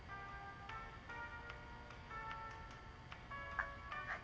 「あっはい。